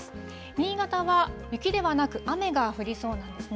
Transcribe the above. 新潟は雪ではなく、雨が降りそうなんですね。